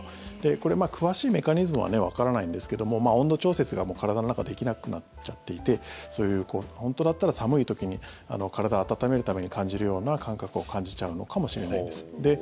これ、詳しいメカニズムはわからないんですけども温度調節がもう体の中でできなくなっちゃっていて本当だったら寒い時に体を温めるために感じるような感覚を感じちゃうのかもしれないです。